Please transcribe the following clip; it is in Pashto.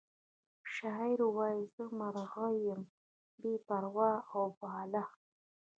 شاعر وایی زه مرغه یم بې پر او باله